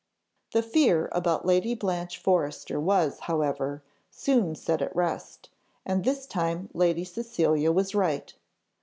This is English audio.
The fear about Lady Blanche Forrester was, however, soon set at rest, and this time Lady Cecilia was right.